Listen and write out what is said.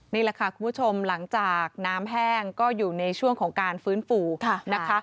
นี่แหละค่ะคุณผู้ชมหลังจากน้ำแห้งก็อยู่ในช่วงของการฟื้นฟูนะคะ